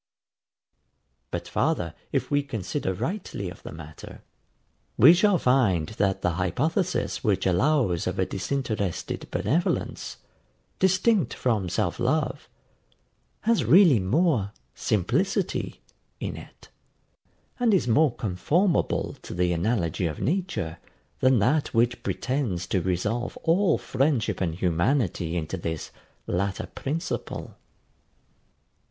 But farther, if we consider rightly of the matter, we shall find that the hypothesis which allows of a disinterested benevolence, distinct from self love, has really more SIMPLICITY in it, and is more conformable to the analogy of nature than that which pretends to resolve all friendship and humanity into this latter principle.